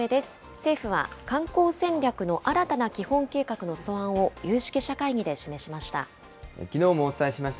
政府は観光戦略の新たな基本計画の素案を有識者会議で示しました。